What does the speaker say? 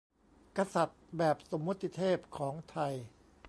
กษัตริย์แบบสมมติเทพของไทย